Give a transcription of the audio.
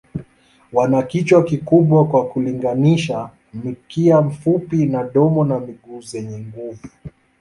Wana kichwa kikubwa kwa kulinganisha, mkia mfupi na domo na miguu zenye nguvu.